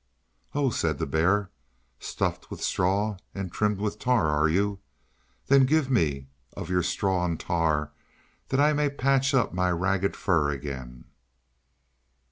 "Oh!" said the bear, "stuffed with straw and trimmed with tar, are you? Then give me of your straw and tar, that I may patch up my ragged fur again!"